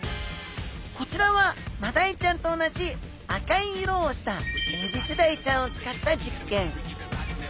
こちらはマダイちゃんと同じ赤い色をしたエビスダイちゃんを使った実験。